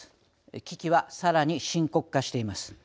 危機はさらに深刻化しています。